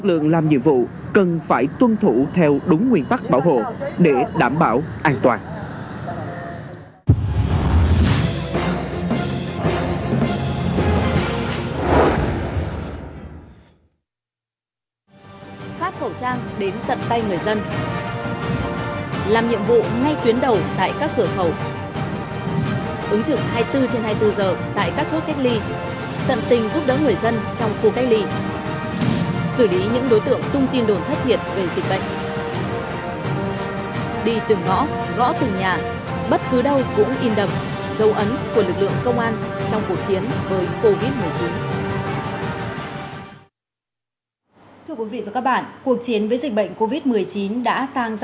vừa làm nhiệm vụ nhưng không để người dân hoang mang lo lắng